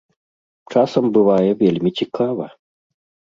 Часам бывае вельмі цікава!